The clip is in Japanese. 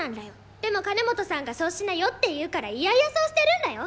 でも金本さんがそうしなよって言うから嫌々そうしてるんらよ。